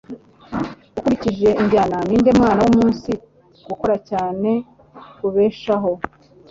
Ukurikije injyana, Ninde Mwana Wumunsi "Gukora cyane Kubeshaho"?